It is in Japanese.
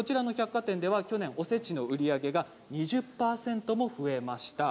去年はおせちの売り上げが２０％も増えました。